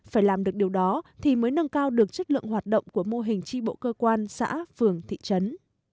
phải làm được điều đó thì mới nâng cao được chất lượng hoạt động của mô hình tri bộ cơ quan xã phường thị trấn